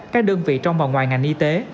các đơn vị trong và ngoài ngành y tế